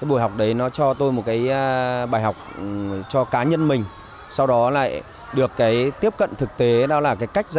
cái buổi học đấy nó cho tôi một cái bài học cho cá nhân mình sau đó lại được cái tiếp cận thực tế đó là cái cách dạy